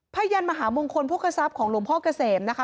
พระยันตร์มหาวงคลพกษัพของหลวงพ่อกเกษมนะคะ